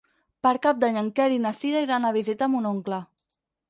Per Cap d'Any en Quer i na Cira iran a visitar mon oncle.